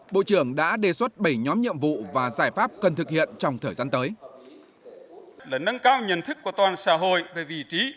bộ trưởng đã đề xuất bảy nhóm nhiệm vụ và giải pháp cần thực hiện trong thời gian tới